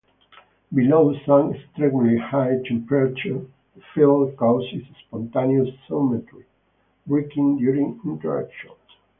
Below some extremely high temperature, the field causes spontaneous symmetry breaking during interactions.